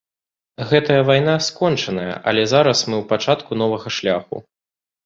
Гэтая вайна скончаная, але зараз мы ў пачатку новага шляху.